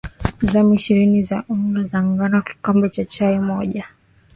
gram ishirini za unga wa ngano kikombe cha chai moja